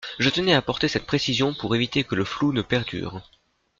Je tenais à apporter cette précision pour éviter que le flou ne perdure.